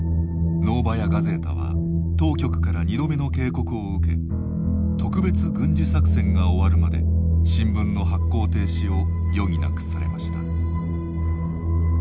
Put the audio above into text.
ノーバヤ・ガゼータは当局から２度目の警告を受け特別軍事作戦が終わるまで新聞の発行停止を余儀なくされました。